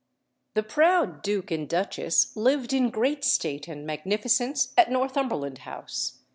The "proud" duke and duchess lived in great state and magnificence at Northumberland House.